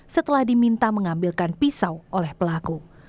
setelah diminta mengambilkan pisau oleh pelaku